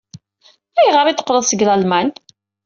Ayɣer ay d-teqqleḍ seg Lalman?